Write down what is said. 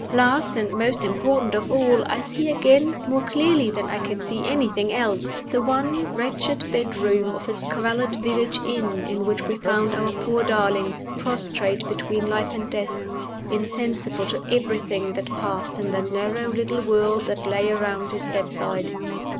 Last, and most important of all, I see again, more clearly than I can see anything else, the one wretched bedroom of a squalid village inn in which we found our poor darling, prostrate between life and death, insensible to everything that passed in the narrow little world that lay around his bedside.